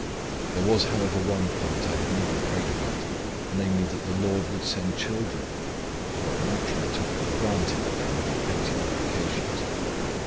There was, however, one point I never had prayed about, namely that the Lord would send children; for I naturally took it for granted that there would be plenty of applications.